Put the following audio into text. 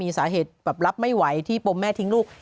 สาเหตุแบบรับไม่ไหวที่ปมแม่ทิ้งลูก